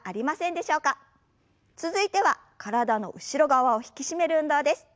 続いては体の後ろ側を引き締める運動です。